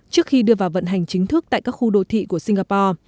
trước khi đưa vào vận hành chính thức tại các khu đô thị của singapore